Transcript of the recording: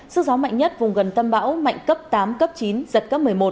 sức gió mạnh nhất vùng gần tâm bão mạnh cấp tám cấp chín giật cấp một mươi một